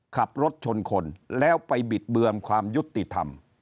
ขับรถชนคนแล้วไปบิดเบือนความยุติธรรม